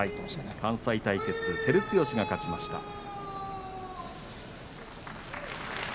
関西対決は照強が勝ちました。